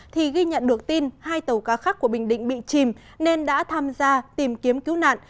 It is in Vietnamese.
thì ghi nhận được tin hai tàu cá khác của bình định bị chìm nên đã tham gia tìm kiếm cứu nạn